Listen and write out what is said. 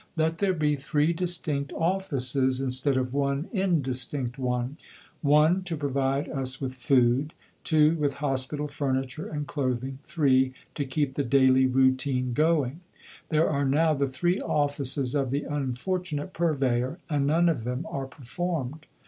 Let there be three distinct offices instead of one indistinct one: (1) To provide us with food. (2) With Hospital furniture and clothing. (3) To keep the daily routine going. These are now the three offices of the unfortunate Purveyor; and none of them are performed.